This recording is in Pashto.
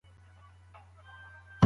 هغه غواړي چې خپل کار په ښه توګه وکړي.